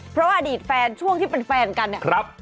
เพราะอดีตแฟนช่วงที่เป็นแฟนกันเนี่ย